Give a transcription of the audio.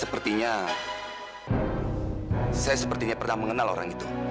sepertinya saya sepertinya pernah mengenal orang itu